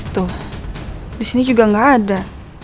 tuh disini juga gak ada